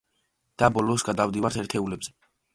და ბოლოს, გადავდივართ ერთეულებზე.